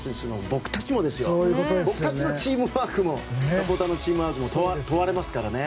僕たちのチームワークもサポーターのチームワークも問われますからね。